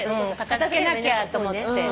片付けなきゃと思って。